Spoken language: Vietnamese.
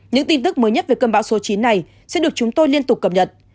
những tin tức mới nhất về cơn bão số chín này sẽ được chúng tôi liên tục cập nhật